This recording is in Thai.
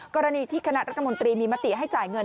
กรณีที่คณะรัฐมนตรีมีมติให้จ่ายเงิน